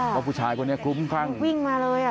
ว่าผู้ชายตรงเนี้ยกลุ้มข้างถูกอิ่งมาเลยอ่ะ